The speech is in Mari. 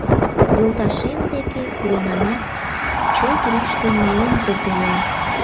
«Йолташем деке пуренамат, чот руштын, мален колтенам...»